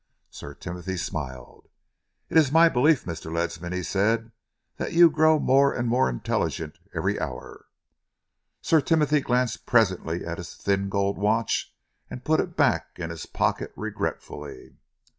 Sir Timothy smiled. "It is my belief, Mr. Ledsam," he said, "that you grow more and more intelligent every hour." Sir Timothy glanced presently at his thin gold watch and put it back in his pocket regretfully.